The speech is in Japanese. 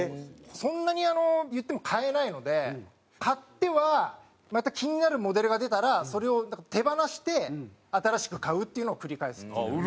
そんなにあのいっても買えないので買ってはまた気になるモデルが出たらそれを手放して新しく買うっていうのを繰り返すんですけど。